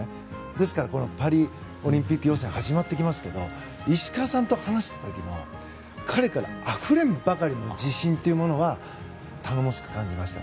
ですから、パリオリンピック予選始まってきますけど石川さんと話した時に彼からあふれんばかりの自信というものは頼もしく感じました。